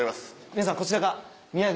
皆さんこちらが。